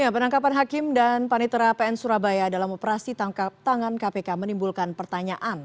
penangkapan hakim dan panitera pn surabaya dalam operasi tangkap tangan kpk menimbulkan pertanyaan